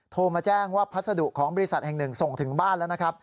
โทรมาแจ้งว่าพัสดุของบริษัทแห่งหนึ่งส่งถึงบ้านแล้วนะครับ